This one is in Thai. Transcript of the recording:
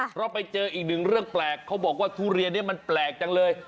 เพราะไปเจออีกหนึ่งเรื่องแปลกเขาบอกว่าทุเรียนนี้มันแปลกจังเลย